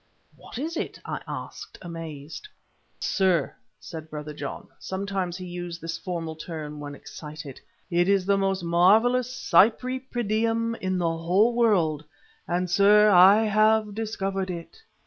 "What is it?" I asked, amazed. "Sir," said Brother John, sometimes he used this formal term when excited, "it is the most marvellous Cypripedium in the whole earth, and, sir, I have discovered it.